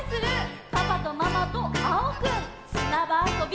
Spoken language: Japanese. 「パパとママとあおくん」「すなばあそび」